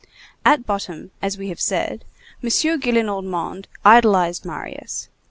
At bottom, as we have said, M. Gillenormand idolized Marius.